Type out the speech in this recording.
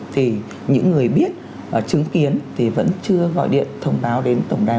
thì những người biết chứng kiến thì vẫn chưa gọi điện thông báo đến tổng đài